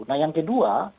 nah yang kedua